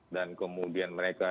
dan kemudian mereka